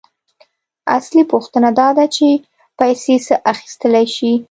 اصلي پوښتنه داده چې پیسې څه اخیستلی شي